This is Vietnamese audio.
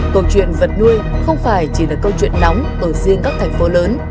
câu chuyện vật nuôi không phải chỉ là câu chuyện nóng ở riêng các thành phố lớn